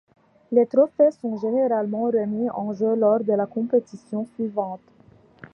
Les trophées sont généralement remis en jeu lors de la compétition suivante.